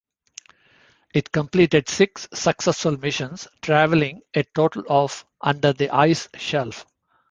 It completed six successful missions, travelling a total of under the ice shelf.